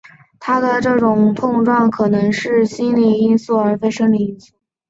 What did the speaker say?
他的这种痛楚较可能是心理因素而非生理因素。